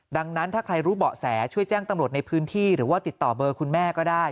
ดังนั้นถ้าใครรู้เบาะแสช่วยแจ้งตำรวจในพื้นที่หรือว่าติดต่อเบอร์คุณแม่ก็ได้